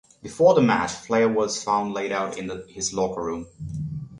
Before the match, Flair was found laid out in his locker room.